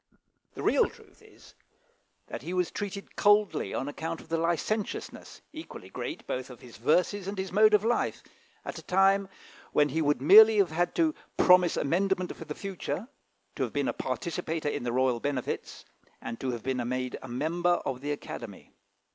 The real truth is, that he was treated coldly on account of the licentiousness, equally great, both of his verses and his mode of life, at a time when he would merely have had to promise amendment for the future, to have been a participator in the royal benefits, and to have been made a member of the Academy.